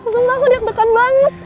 sumpah aku diak dekan banget